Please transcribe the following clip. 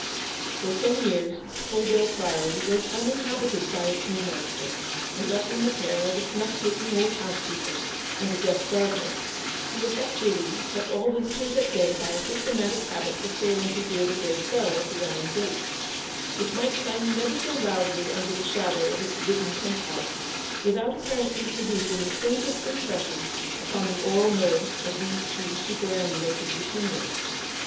315 For ten years Tolldale Priory was uninhabited by its new master, and left in the care of a snuff taking old housekeeper, and a deaf gardener, who effectually kept all visitors at bay by a systematic habit of failing to hear the great bell at the iron gates ; which might clang never so loudly under the shadow of its wooden pent house without apparently producing the faintest impression upon the aural nerves of these two superannuated retainers.